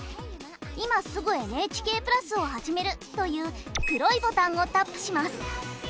「今すぐＮＨＫプラスをはじめる」という黒いボタンをタップします。